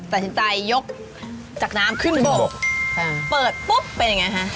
สัจใจยกจากน้ำขึ้นบกเปิดปุ๊บเป็นอย่างไรฮะ